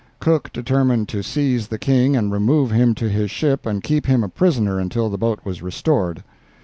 Cook determined to seize the King and remove him to his ship and keep him a prisoner until the boat was restored.